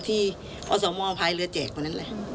ที่อสโมงพายเรือแจกมานั้นแหละ